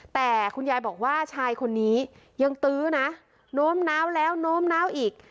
แต่คุณยายบอกว่าชายคนนี้ยังตื้อนะโน้มน้าวแล้วโน้มน้าวอีก